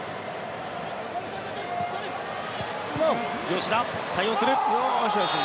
吉田、対応する。